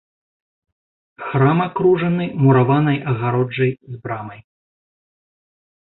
Храм акружаны мураванай агароджай з брамай.